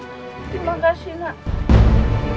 terima kasih nak